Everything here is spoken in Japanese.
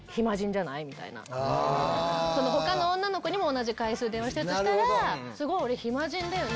「他の女の子にも同じ回数電話してるとしたらすごい俺暇人だよね」。